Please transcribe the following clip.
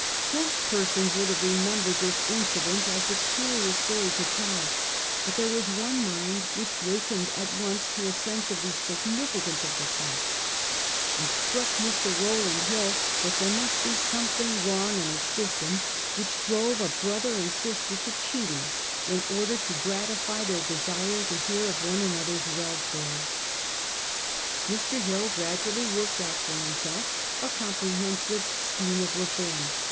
Most persons would have remembered this in cident as a curious story to tell ; hut there was one mind which wakened up at once to a sense of the significance of the fact. It struck Mr. Kowland Hill that there must he something wrong in a system which drove a brother and sister to cheating, in order to gratify their desire to hear of one another's welfare.' 94 A HISTOBY OF OUB OWN TIMES. oh. nr. Mr. Hill gradually worked out for himself a com prehensive scheme of reform.